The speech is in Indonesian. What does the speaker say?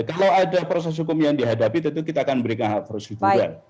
kalau ada proses hukum yang dihadapi tentu kita akan memberikan hal hal positif